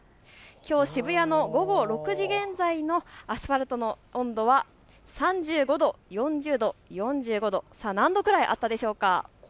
きょう渋谷の午後６時現在のアスファルトの温度は３５度、４０度、４５度、何度ぐらいあったでしょうか。